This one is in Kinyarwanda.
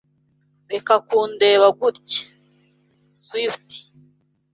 Reka kundeba gutya. (Swift)